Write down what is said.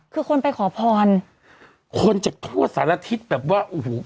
คือคนไปขอพรคนจากทั่วสารทิศแบบว่าโอ้โห